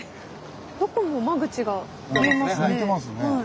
どこも間口が見えますね。